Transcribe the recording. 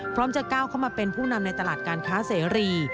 จะก้าวเข้ามาเป็นผู้นำในตลาดการค้าเสรี